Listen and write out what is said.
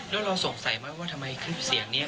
แล้วเราสงสัยไหมว่าทำไมคลิปเสียงนี้